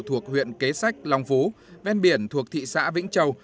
thuộc huyện kế sách long phú ven biển thuộc thị xã vĩnh châu